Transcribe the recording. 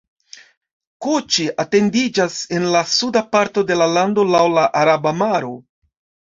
Koĉi etendiĝas en la suda parto de la lando laŭ la Araba Maro.